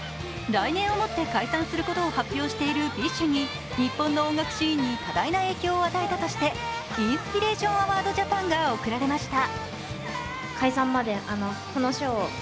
来年をもって解散することを発表しているＢｉＳＨに日本の音楽シーンに多大な影響を与えたとしてインスピレーション・アワード・ジャパンが贈られました。